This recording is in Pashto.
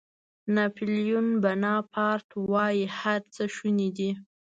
ناپیلیون بناپارټ وایي هر څه شوني دي.